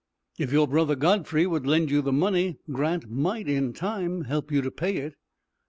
"If your brother Godfrey would lend you the money, Grant might, in time, help you to pay it."